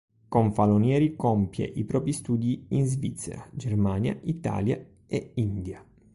Confalonieri compie i propri studi in Svizzera, Germania, Italia e India.